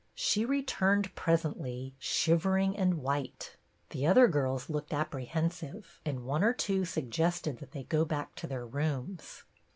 She returned presently, shivering and white. The other girls looked apprehensive, and one or two suggested that they go back to their rooms.